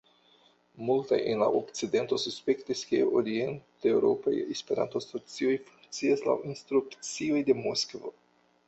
Multaj en la okcidento suspektis, ke orienteŭropaj Esperanto-asocioj funkcias laŭ instrukcioj de Moskvo.